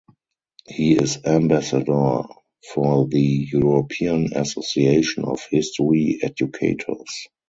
He is ambassador for the European Association of History Educators.